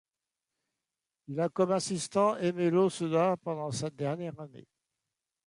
Il a comme assistant Aimé Laussedat pendant sa dernière année.